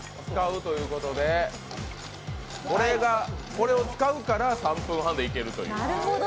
これを使うから３分半でいけると。